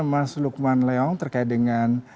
mas lukman leong terkait dengan